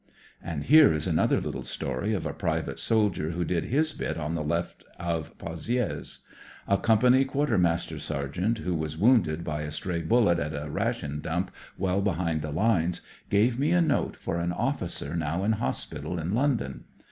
And here is another little story of a private soldier who did his bit on the left of PozJires. A company quartermaster sergeant, who was wounded by a stray bullet at a ration dump well behind the lines, gave me a note for an officer now in hospital in London.